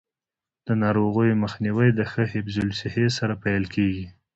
د ناروغیو مخنیوی د ښه حفظ الصحې سره پیل کیږي.